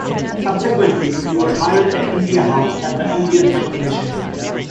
Subsequently, he was hired at India House, at the Indian High Commission.